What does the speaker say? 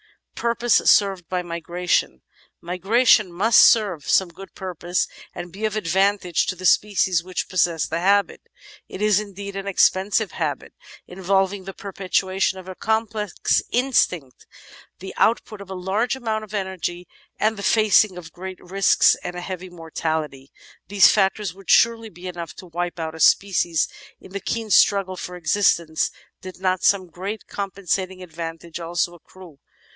The Purpose Served by Migration Migration must serve some good purpose and be of advan tage to the species which possess the habit. It is, indeed, an ex pensive habit, involving the perpetuation of a complex instinct, the output of a large amount of energy, and the facing of great risks and a heavy mortality: these factors would surely be enough to wipe out a species in the keen struggle for existence did not some great compensating advantage also accrue.